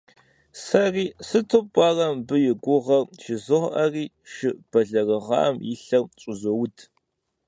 Сэри, сыту пӀэрэ мыбы и гугъэр, жызоӀэри, шы бэлэрыгъам и лъэр щӀызоуд.